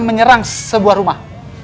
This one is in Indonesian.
menyerang sebuah rumah